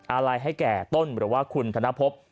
อะไรให้แก่ต้นหรือว่าคุณธนภพ